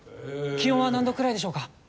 気温は何度くらいでしょうか？